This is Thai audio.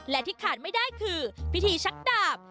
และที่ขาดไม่ได้คือพิธีชักดาบ